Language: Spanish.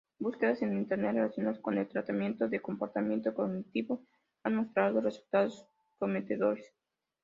Búsquedas en internet relacionadas con el tratamiento de comportamiento cognitivo han mostrado resultados prometedores.